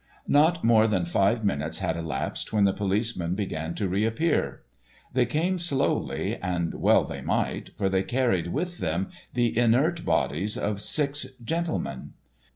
Not more than five minutes had elapsed when the policemen began to reappear. They came slowly, and well they might, for they carried with them the inert bodies of six gentlemen.